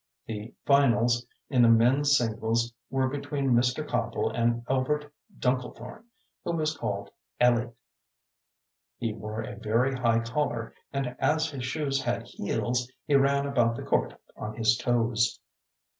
The finals in the men's singles were between Mr. Copple and Elbert Dunklethorn, who was called "Ellie." He wore a very high collar, and as his shoes had heels, he ran about the court on his toes.